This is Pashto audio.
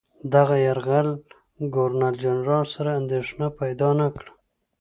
دغه یرغل ګورنرجنرال سره اندېښنه پیدا نه کړه.